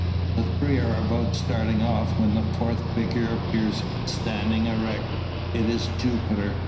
The three are about starting off, when a fourth figure appears standing erect. It is Jupiter.